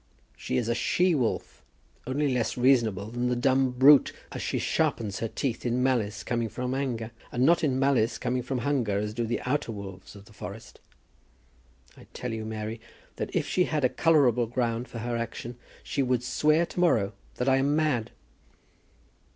She is a she wolf, only less reasonable than the dumb brute as she sharpens her teeth in malice coming from anger, and not in malice coming from hunger as do the outer wolves of the forest. I tell you, Mary, that if she had a colourable ground for her action, she would swear to morrow that I am mad."